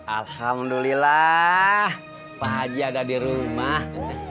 alhamdulillah pak aji ada di rumah